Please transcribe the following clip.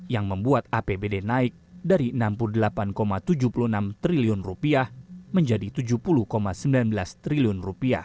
yang membuat apbd naik dari rp enam puluh delapan tujuh puluh enam triliun menjadi rp tujuh puluh sembilan belas triliun